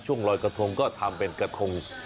รอยกระทงก็ทำเป็นกระทง